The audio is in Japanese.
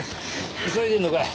急いでるのかい？